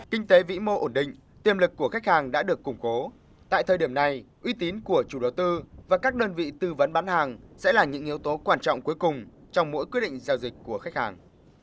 kinh tế vĩ mô ổn định tiềm lực của khách hàng đã được củng cố tại thời điểm này uy tín của chủ đầu tư và các đơn vị tư vấn bán hàng sẽ là những yếu tố quan trọng cuối cùng trong mỗi quyết định giao dịch của khách hàng